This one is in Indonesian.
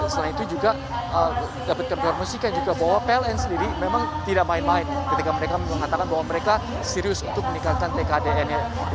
selain itu juga dapat kami informasikan juga bahwa pln sendiri memang tidak main main ketika mereka mengatakan bahwa mereka serius untuk meningkatkan tkdn